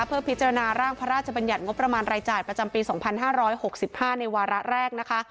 เพื่อพิจารณาร่างพระราชบัญญัติงบประมาณรายจ่ายประจำปี๒๕๖๕ในวาระแรกนะคะ